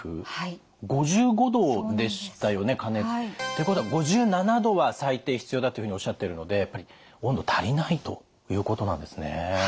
ということは５７℃は最低必要だというふうにおっしゃってるのでやっぱり温度足りないということなんですね。